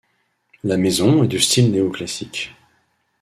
La maison est de style néo-classique.